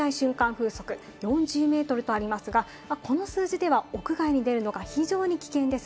風速４０メートルとありますが、この数字では屋外に出るのが非常に危険です。